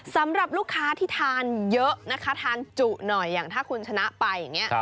สำหรับลูกค้าที่ทานเยอะทานจุ๋หน่อยอย่างถ้าคุณชนะไปเนี่ย